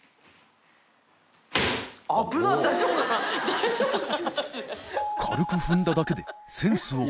大丈夫かな？